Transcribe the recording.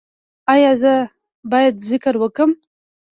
ایا زه باید ذکر وکړم؟